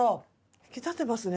引き立ってますね